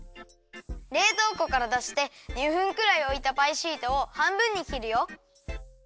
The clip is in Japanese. れいとうこからだして２分くらいおいたパイシートをはんぶんにきるよ。